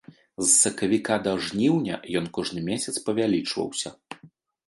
З сакавіка да жніўня ён кожны месяц павялічваўся.